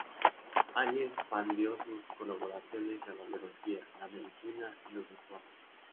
Allí, expandió sus colaboraciones a la biología, la medicina y los vestuarios.